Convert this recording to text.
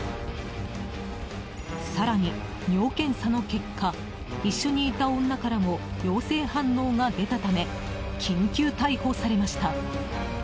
更に尿検査の結果一緒にいた女からも陽性反応が出たため緊急逮捕されました。